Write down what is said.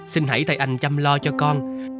xin hãy thay anh chăm lo cho con